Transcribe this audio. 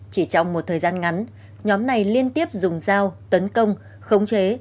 chỉ trong một thời gian ngắn nhóm này liên tiếp dùng dao tấn công khống chế